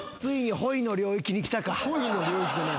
ほいの領域じゃない。